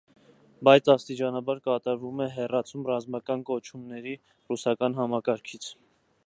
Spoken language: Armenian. Բայց աստիճանաբար կատարվում է հեռացում ռազմական կոչումների ռուսական համակարգից։